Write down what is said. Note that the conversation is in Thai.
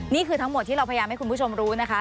นี่คือทั้งหมดที่เราพยายามให้คุณผู้ชมรู้นะคะ